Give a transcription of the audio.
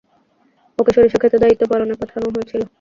ওকে সরিষা ক্ষেতে দায়িত্ব পালনে পাঠানো হয়েছিল।